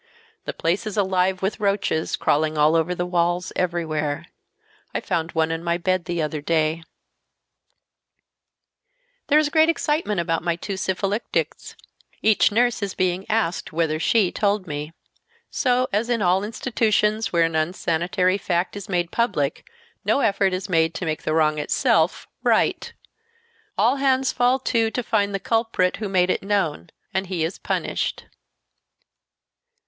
The place is alive with roaches, crawling all over the walls, everywhere. I found one in my bed the other day ...." "There is great excitement about my two syphilitics. Each nurse is being asked whether she told me. So, as in all institutions where an unsanitary fact is made public, no effort is made to make the wrong itself right. All hands fall to, to find the culprit, who made it known, and he is punished."